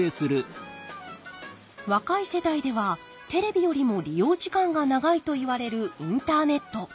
若い世代ではテレビよりも利用時間が長いといわれるインターネット。